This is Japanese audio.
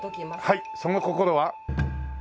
はいその心は？